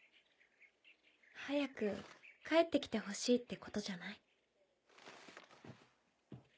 早く帰って来てほしいってことじゃない？